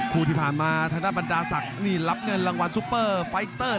คู่ที่ผ่านมาทางด้านบรรดาศักดิ์นี่รับเงินรางวัลซุปเปอร์ไฟเตอร์